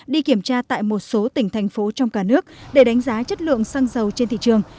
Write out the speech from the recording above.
đi kiểm tra tại một số tỉnh thành phố trong cả nước để đánh giá chất lượng xăng dầu trên thị trường